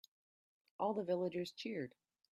All the villagers cheered.